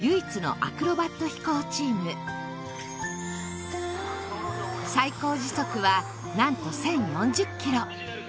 唯一のアクロバット飛行チーム最高時速はなんと１０４０キロ